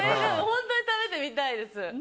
本当に食べてみたいです。